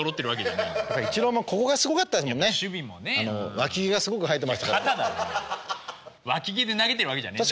わき毛で投げてるわけじゃねえんだ。